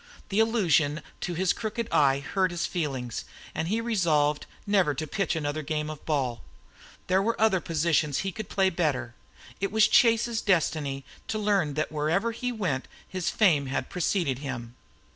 The allusion to his crooked eye hurt his feelings, and he resolved never to pitch another game of ball. There were other positions he could play better. It was Chase's destiny to learn that wherever he went his fame had preceded him.